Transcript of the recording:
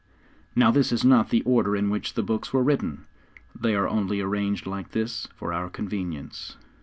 Now this is not the order in which the books were written they are only arranged like this for our convenience.